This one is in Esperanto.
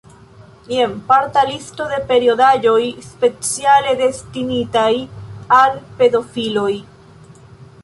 Jen parta listo de periodaĵoj speciale destinitaj al pedofiloj.